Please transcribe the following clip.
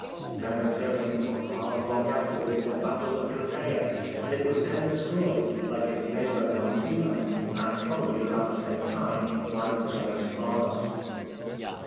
Men of Tiryns took part long afterwards in the battle of Platsea ; and it was then destroyed, like its neighbour My cenae, and probably about the same time, by jealous Argos.